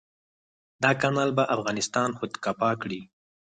دا کانال به افغانستان خودکفا کړي.